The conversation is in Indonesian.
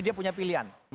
dia punya pilihan